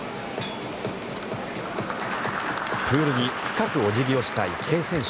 プールに深くお辞儀をした池江選手。